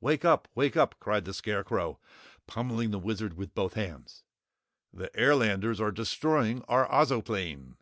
"Wake up! Wake up!" cried the Scarecrow, pummeling the Wizard with both hands. "The Airlanders are destroying our Ozoplane!"